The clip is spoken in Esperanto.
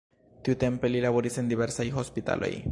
Tiutempe li laboris en diversaj hospitaloj.